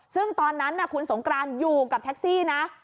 ซึ่งตอนนั้นคุณสงกรานอยู่กับแท็กซี่นะ